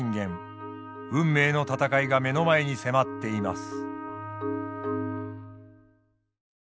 運命の戦いが目の前に迫っています。